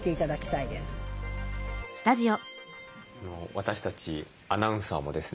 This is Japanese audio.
私たちアナウンサーもですね